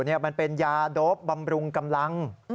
นี่มันเป็นยาโดปำรุงกำลัง